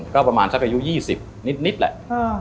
ก็ประมาณสักอายุ๒๐นิดแหละ